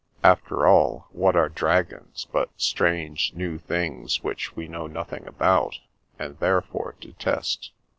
After all, what are dragons but strange, new things which we know nothing about and therefore detest?